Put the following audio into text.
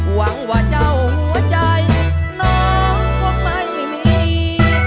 หวังว่าเจ้าหัวใจน้องคงไม่มี